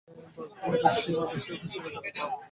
কিন্তু এ নিয়ে বাগ্যুদ্ধের সীমা বিষয়ে হুঁশিয়ার থাকা উচিত।